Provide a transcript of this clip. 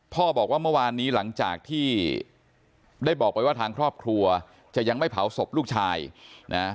บอกว่าเมื่อวานนี้หลังจากที่ได้บอกไปว่าทางครอบครัวจะยังไม่เผาศพลูกชายนะ